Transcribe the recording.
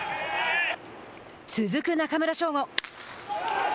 続く中村奨吾。